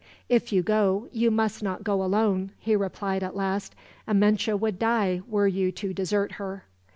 "If you go, you must not go alone," he replied at last. "Amenche would die, were you to desert her."